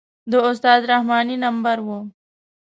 د استاد رحماني نمبر و.